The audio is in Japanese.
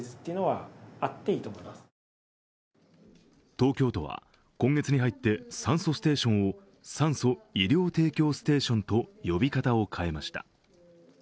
東京都は今月に入って酸素ステーションを酸素・医療提供ステーションと呼び方を変えました。